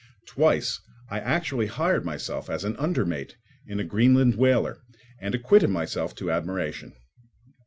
Twice I actually hired myself as an under mate in a Greenland whaler, and acquitted myself to admiration.